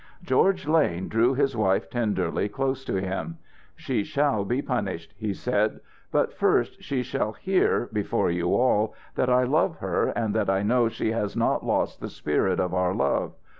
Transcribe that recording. George Lane drew his wife tenderly close to him. "She shall be punished," he said, "but first she shall hear, before you all, that I love her and that I know she has not lost the spirit of our love.